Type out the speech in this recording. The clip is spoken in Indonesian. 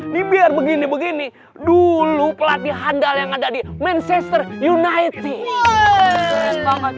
nih biar begini begini dulu pelatih handal yang ada di manchester united banget